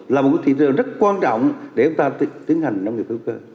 là một thị trường rất quan trọng để chúng ta tiến hành nông nghiệp hữu cơ